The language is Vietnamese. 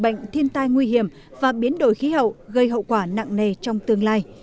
bệnh thiên tai nguy hiểm và biến đổi khí hậu gây hậu quả nặng nề trong tương lai